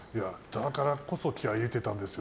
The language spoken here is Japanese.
だからこそ気合入れてたんですよ。